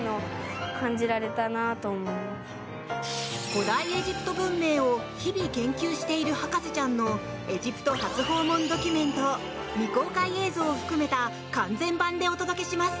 古代エジプト文明を日々研究している博士ちゃんのエジプト初訪問ドキュメントを未公開映像を含めた完全版でお届けします。